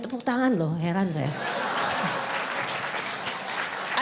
tepuk tangan loh heran saya